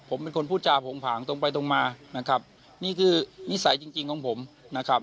ผมเป็นคนพูดจาโผงผางตรงไปตรงมานะครับนี่คือนิสัยจริงจริงของผมนะครับ